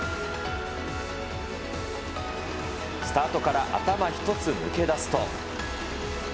スタートから頭一つ抜け出すと。